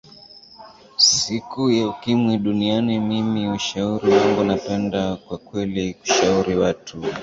siku ya ukimwi duniani mimi ushauri wangu napenda kwa kweli kushauri watu